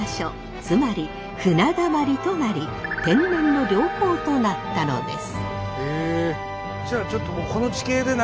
つまり船だまりとなり天然の良港となったのです。